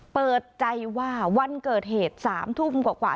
เปิดใจว่าวันเกิดเหตุ๓ทุ่มกว่า